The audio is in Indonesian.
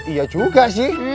iya juga sih